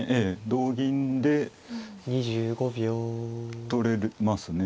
同銀で取れますね。